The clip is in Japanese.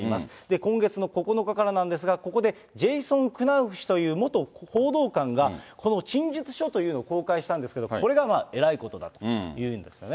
今月の９日からなんですが、ここで、ジェイソン・クナウフ氏という元報道官が、この陳述書というものを公開した、これがえらいことだということんですね。